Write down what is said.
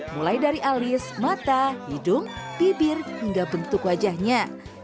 mulai dari alis mata hidung bibir hingga bentuk wajahnya